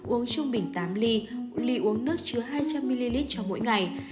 uống trung bình tám ly ly uống nước chứa hai trăm linh ml cho mỗi ngày